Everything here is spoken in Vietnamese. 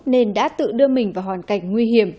nên đã tự đưa mình vào hoàn cảnh nguy hiểm